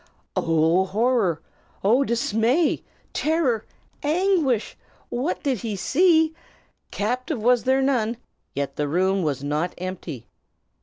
Oh, horror! Oh, dismay, terror, anguish! What did he see? Captive was there none, yet the room was not empty.